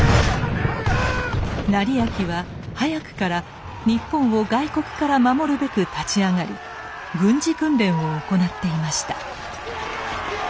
斉昭は早くから日本を外国から守るべく立ち上がり軍事訓練を行っていました。